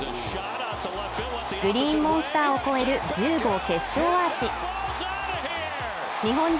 グリーンモンスターを越える１０号決勝アーチ日本人